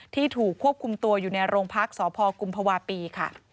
ที่ถูกควบคุมตัวอยู่ในโรงพักสพกุมภาวะปีค่ะ